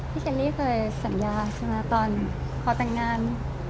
พี่แคลรี่เคยสัญญาใช่มั้ยตอนขอตังงาน